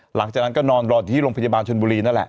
หลังจากนั้นก็นอนรออยู่ที่โรงพยาบาลชนบุรีนั่นแหละ